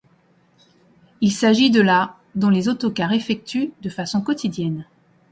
Il s'agit de la dont les autocars effectuent de façon quotidienne.